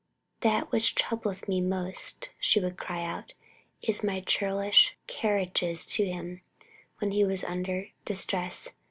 "That which troubleth me most," she would cry out, "is my churlish carriages to him when he was under distress.